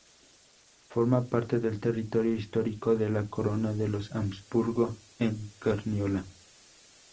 Forma parte del territorio histórico de la corona de los Habsburgo en Carniola.